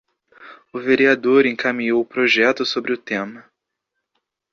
O vereador encaminhou projeto sobre o tema